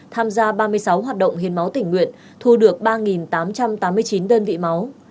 tham gia ba mươi sáu hoạt động hiến máu tỉnh nguyện thu được ba tám trăm tám mươi chín đơn vị máu